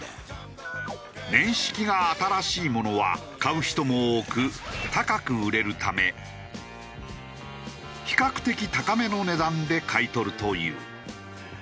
年式が新しいものは買う人も多く高く売れるため比較的高めの値段で買い取るという。